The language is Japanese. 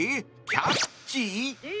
キャッチ？